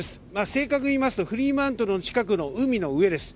正確に言いますとフリーマントルの近くの海です。